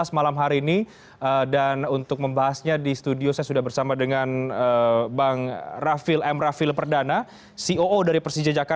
selamat malam mas renha